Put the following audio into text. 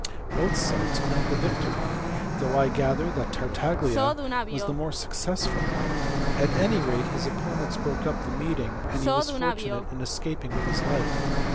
Both sides claimed the victory, though I gather that Tarfcaglia was the CARDAN. 227 more successful ; at any rate his opponents broke up the meeting, and he was fortunate in escaping with his life.